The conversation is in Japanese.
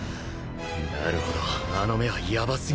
なるほどあの目はヤバすぎるな。